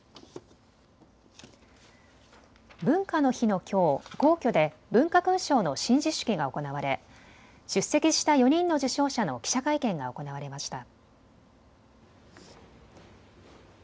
文化の日のきょう、皇居で文化勲章の親授式が行われ出席した４人の受章者の記者会見が行われました。